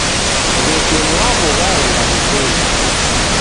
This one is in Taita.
Weke mwaw'u waenda wupenyi